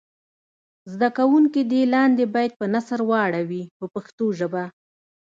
زده کوونکي دې لاندې بیت په نثر واړوي په پښتو ژبه.